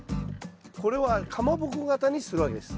これはかまぼこ形にするわけです。